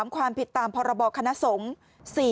ความผิดตามพรบคณะสงฆ์